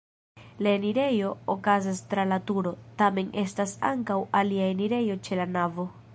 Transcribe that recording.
La enirejo okazas tra la turo, tamen estas ankaŭ alia enirejo ĉe la navo.